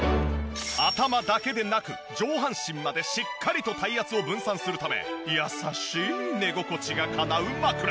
頭だけでなく上半身までしっかりと体圧を分散するため優しい寝心地がかなう枕。